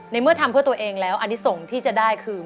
เมื่อทำเพื่อตัวเองแล้วอันนี้ส่งที่จะได้คือ